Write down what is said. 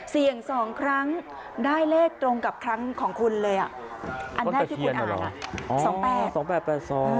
เสี่ยงสองครั้งได้เลขตรงกับครั้งของคุณเลยอ่ะอันแรกที่คุณอ่านอ่ะ๒๘๘๒